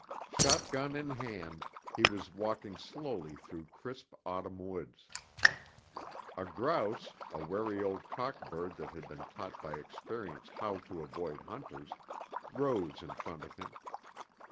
Shotgun in hand, he was walking slowly through crisp autumn woods. A grouse, a wary old cock bird that had been taught by experience how to avoid hunters, rose in front of him.